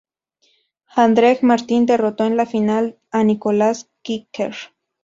Andrej Martin derrotó en la final a Nicolás Kicker.